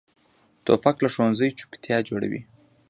توپک له ښوونځي چپتیا جوړوي.